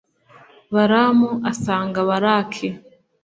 balamu asanga balaki.